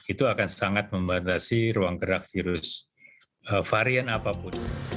itu akan sangat membatasi ruang gerak virus varian apapun